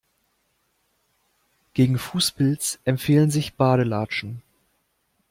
Gegen Fußpilz empfehlen sich Badelatschen.